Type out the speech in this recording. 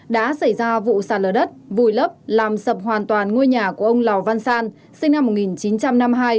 đã xảy ra vụ sạt lở đất vùi lấp làm sập hoàn toàn ngôi nhà của ông lào văn san sinh năm một nghìn chín trăm năm mươi hai